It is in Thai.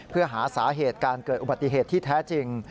เพื่อหาสาเหตุการเกิดอุบัติเหตุที่แท้จริง